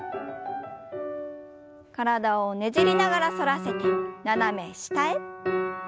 体をねじりながら反らせて斜め下へ。